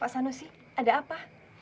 pak sanusi ada apa